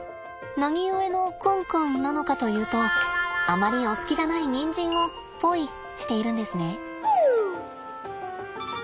何故のクンクンなのかというとあまりお好きじゃないにんじんをポイしているんですね。